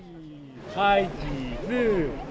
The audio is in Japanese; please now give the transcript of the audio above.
はい、チーズ。